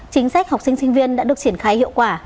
chính sách học sinh sinh viên đã được triển khai hiệu quả